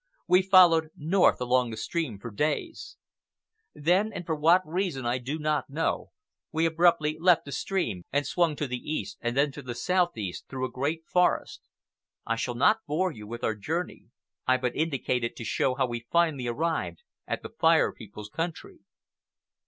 We followed north along the stream for days. Then, and for what reason I do not know, we abruptly left the stream and swung to the east, and then to the southeast, through a great forest. I shall not bore you with our journey. I but indicate it to show how we finally arrived at the Fire People's country.